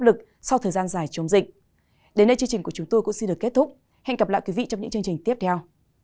đến đây chương trình của chúng tôi xin được kết thúc hẹn gặp lại quý vị trong những chương trình tiếp theo